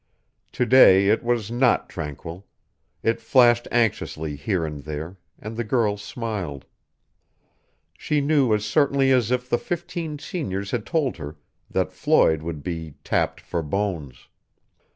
To day it was not tranquil; it flashed anxiously here and there, and the girl smiled. She knew as certainly as if the fifteen seniors had told her that Floyd would be "tapped for Bones."